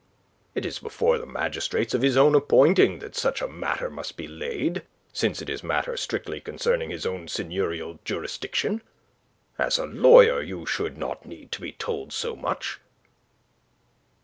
It is before the magistrates of his own appointing that such a matter must be laid, since it is matter strictly concerning his own seigneurial jurisdiction. As a lawyer you should not need to be told so much."